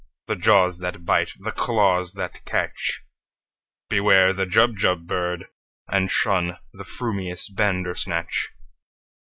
The jaws that bite, the claws that catch! Beware the Jubjub bird, and shunThe frumious Bandersnatch!"